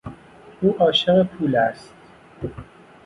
او عاشق پول است.